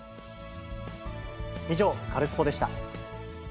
以上、カルスポっ！でした。